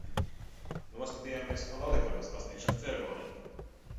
Noskatījāmies Laligabas pasniegšanas ceremoniju.